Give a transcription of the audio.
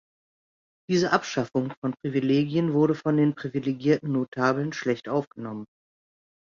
Diese Abschaffung von Privilegien wurde von den privilegierten Notabeln schlecht aufgenommen.